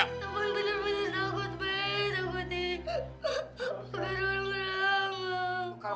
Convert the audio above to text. tolong takutin takutin